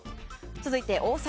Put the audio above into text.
続いて、大阪。